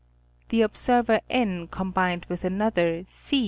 The observer N. combined with another, C.